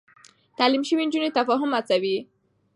تعليم شوې نجونې تفاهم هڅوي.